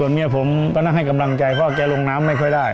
เมียผมก็นั่งให้กำลังใจพ่อแกลงน้ำไม่ค่อยได้